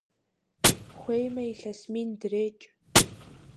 Хуеймэ илъэс мин дрекӀ!